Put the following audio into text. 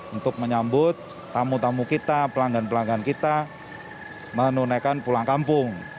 untuk menyambut tamu tamu kita pelanggan pelanggan kita menunaikan pulang kampung